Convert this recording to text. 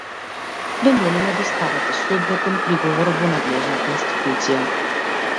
Ве молиме доставете соодветен приговор во надлежната институција.